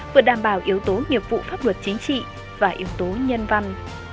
vừa đảm bảo yếu tố nghiệp vụ pháp luật chính trị và yếu tố nhân văn